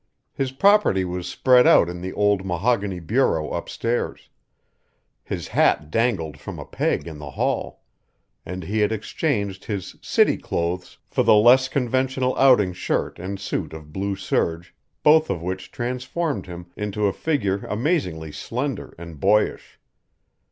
His property was spread out in the old mahogany bureau upstairs; his hat dangled from a peg in the hall; and he had exchanged his "city clothes" for the less conventional outing shirt and suit of blue serge, both of which transformed him into a figure amazingly slender and boyish.